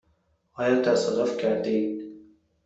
آیا تصادف کرده اید؟